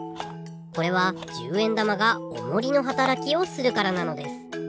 これは１０円玉がおもりのはたらきをするからなのです。